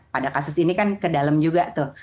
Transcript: pada kasus ini kan ke dalam juga tuh